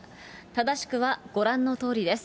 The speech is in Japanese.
正しくは、ご覧のとおりです。